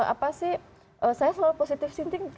apa sih saya selalu positif